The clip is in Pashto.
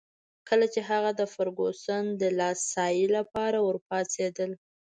کله چي هغه د فرګوسن د دلاسايي لپاره ورپاڅېدل.